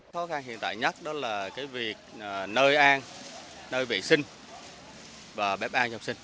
khó khăn hiện tại nhất đó là cái việc nơi an nơi vệ sinh và bếp an cho học sinh